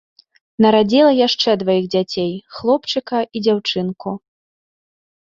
Нарадзіла яшчэ дваіх дзяцей, хлопчыка і дзяўчынку.